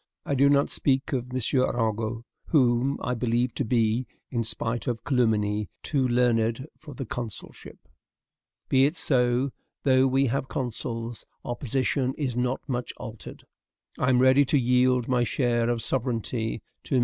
I do not speak of M. Arago, whom I believe to be, in spite of calumny, too learned for the consulship. Be it so. Though we have consuls, our position is not much altered. I am ready to yield my share of sovereignty to MM.